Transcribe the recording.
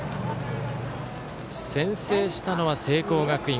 先制したのは聖光学院。